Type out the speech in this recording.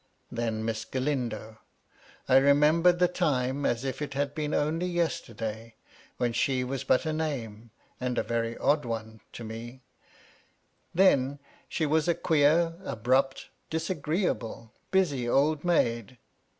Then Miss Galindo 1 I remembered the time, as if it had been only yesterday, when she was but a name — ^and a very odd one — to me ; then she was a queer, abrupt, dis agreeable, busy old maid.